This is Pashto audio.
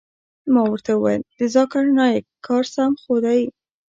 ما ورته وويل د ذاکر نايک کار سم خو دى.